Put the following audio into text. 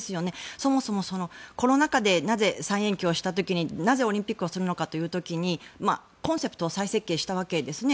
そもそもコロナ禍でなぜ、再延期をした時になぜオリンピックをするのかという時にコンセプトを再設計したわけですね。